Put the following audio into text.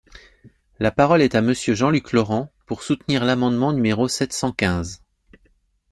La parole est à Monsieur Jean-Luc Laurent, pour soutenir l’amendement numéro sept cent quinze.